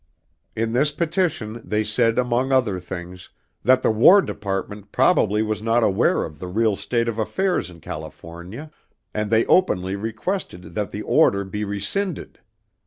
In this petition they said among other things, that the War Department probably was not aware of the real state of affairs in California, and they openly requested that the order, be rescinded.